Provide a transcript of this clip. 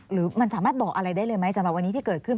หรือมันสามารถบอกอะไรได้เลยไหมสำหรับวันนี้ที่เกิดขึ้น